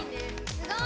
すごい！